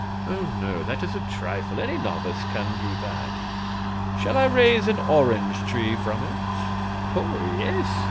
"Oh no; that is a trifle; any novice can do that. Shall I raise an orange tree from it?" "Oh yes!"